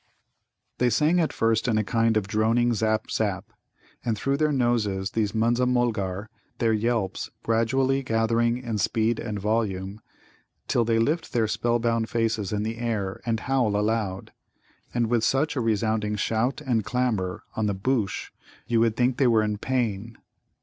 They sing at first in a kind of droning zap zap, and through their noses, these Munza mulgar, their yelps gradually gathering in speed and volume, till they lift their spellbound faces in the air and howl aloud. And with such a resounding shout and clamour on the Bhōōsh you would think they were in pain.